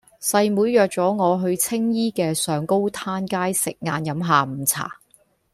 細妹約左我去青衣嘅上高灘街食晏飲下午茶